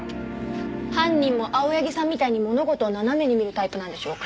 犯人も青柳さんみたいに物事を斜めに見るタイプなんでしょうか？